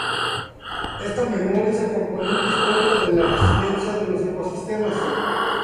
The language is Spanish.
Esta memoria es el componente histórico de la resiliencia de los ecosistemas.